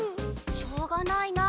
しょうがないな。